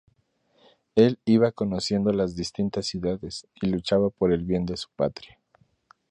Él iba conociendo las distintas ciudades y luchaba por el bien de su patria.